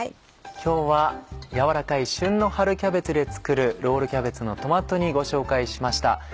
今日はやわらかい旬の春キャベツで作る「ロールキャベツのトマト煮」ご紹介しました。